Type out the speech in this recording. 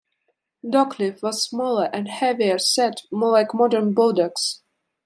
Dockleaf was smaller and heavier set, more like modern Bulldogs.